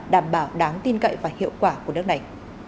đảm bảo đáng tin cậy và hiệu quả của nước này